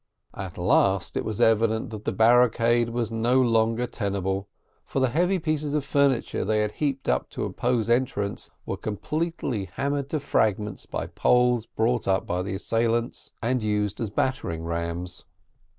At last, it was evident that the barricade was no longer tenable, for the heavy pieces of furniture they had heaped up to oppose entrance were completely hammered to fragments by poles brought up by the assailants, and used as battering rams.